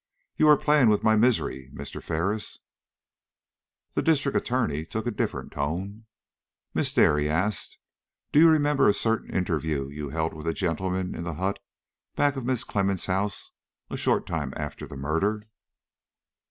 "You are playing with my misery, Mr. Ferris." The District Attorney took a different tone. "Miss Dare," he asked, "do you remember a certain interview you held with a gentleman in the hut back of Mrs. Clemmens' house, a short time after the murder?"